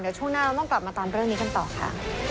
เดี๋ยวช่วงหน้าเราต้องกลับมาตามเรื่องนี้กันต่อค่ะ